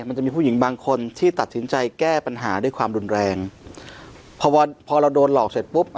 มันจะมีผู้หญิงบางคนที่ตัดสินใจแก้ปัญหาด้วยความรุนแรงพอพอเราโดนหลอกเสร็จปุ๊บ